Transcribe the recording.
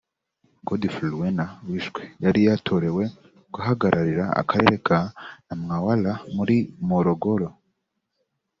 Godfrey Luena wishwe yari yaratorewe guhagararira Akarere ka Namwawala muri Morogoro